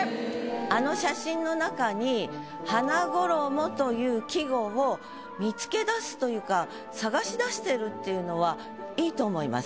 あの写真の中に「花衣」という季語を見つけ出すというか探し出してるっていうのは良いと思います。